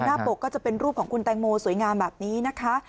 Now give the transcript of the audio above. ปกก็จะเป็นรูปของคุณแตงโมสวยงามแบบนี้นะคะ